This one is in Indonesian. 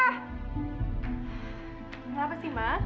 kenapa sih mak